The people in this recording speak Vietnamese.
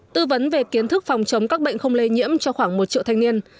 tư vấn về kiến thức phòng chống các bệnh không lây nhiễm cho khoảng một triệu thanh niên